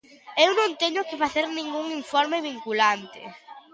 Eu non teño que facer ningún informe vinculante.